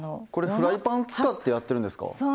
これフライパン使ってやってるんですか？